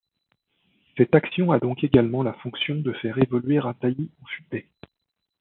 Cette action a donc également la fonction de faire évoluer un taillis en futaie.